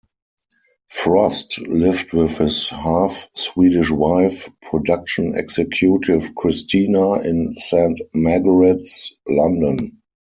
Frost lived with his half-Swedish wife, production executive Christina, in Saint Margarets, London.